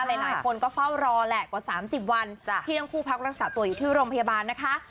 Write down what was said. หลายคนก็เฝ้ารอแหละกว่า๓๐วันที่ทั้งคู่พักรักษาตัวอยู่ที่โรงพยาบาลนะคะ